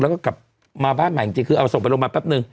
แล้วก็กลับมาบ้านใหม่จริงคือเอาส่งไปโรงพยาบาลแป๊บนึง